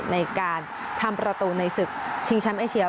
ในการทำประตูในศึกชิงแชมป์เอเชีย